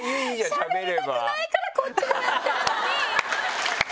しゃべりたくないからこっちでやってるのに！